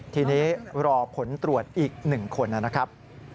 ทีนี้รอผลตรวจอีก๑คนนะครับ